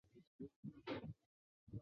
县治安东尼。